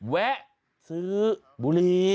แวะซื้อบุรี